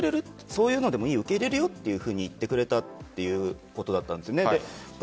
そういうのでも受け入れるよと言ってくれたということだったんです。